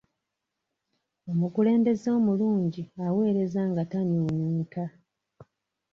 Omukulembeze omulungi aweereza nga tanyuunyuuta.